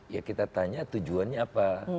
ya kita tanya tujuannya apa